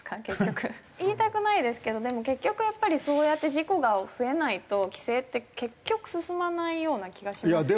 言いたくないですけどでも結局やっぱりそうやって事故が増えないと規制って結局進まないような気がしますけど。